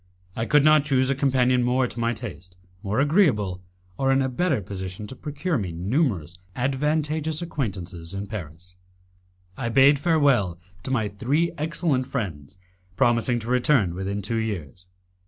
I could not choose a companion more to my taste, more agreeable, or in a better position to procure me numerous advantageous acquaintances in Paris. I bade farewell to my three excellent friends, promising to return within two years.